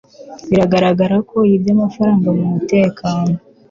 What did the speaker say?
biragaragara ko yibye amafaranga mumutekano